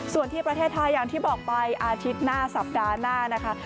ส่วนที่ประเทศไทยอย่างที่บอกไปอาทิตย์หน้าสัปดาห์หน้านะคะ